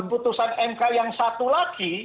dalam keputusan mk yang satu lagi